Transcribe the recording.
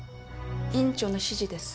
院長の指示です。